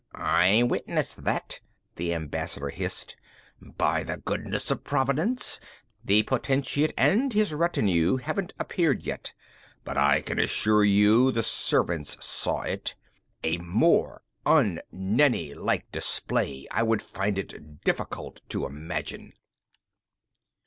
"I witnessed that," The Ambassador hissed. "By the goodness of Providence, the Potentate and his retinue haven't appeared yet. But I can assure you the servants saw it. A more un Nenni like display I would find it difficult to imagine!"